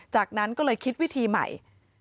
จากนั้นก็เลยคิดวิธีใหม่